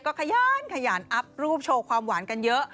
ก็ขยันขยันอัพรูปโชว์ความหวานกันเยอะ